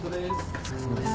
お疲れさまです。